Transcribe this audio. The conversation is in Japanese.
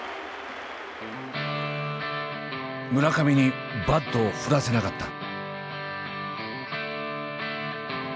村上にバットを振らせなかった。